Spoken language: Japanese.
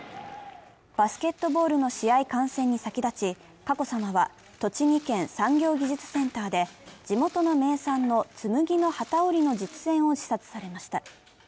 バスケットボールの試合観戦に先立ち佳子さまは、栃木県産業技術センターで地元の名産のつむぎの機織りの実演を視察されました。